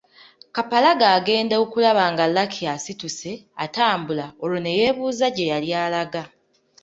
Kapalaga agenda okulaba nga Lucky asituse, atambula, olwo ne yeebuuza gye yali alaga.